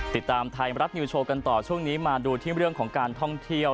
ติดตามไทยรัฐนิวโชว์กันต่อช่วงนี้มาดูที่เรื่องของการท่องเที่ยว